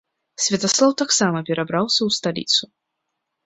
Святаслаў таксама перабраўся ў сталіцу.